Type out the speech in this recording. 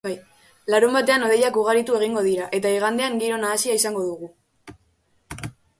Larunbatean hodeiak ugaritu egingo dira, eta igandean giro nahasia izango dugu.